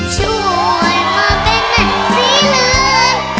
ช่วยมาเป็นสีเหลือง